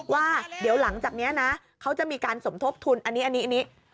ว่าเดี๋ยวหลังจากนี้นะเขาจะมีการสมทบทุนอันนี้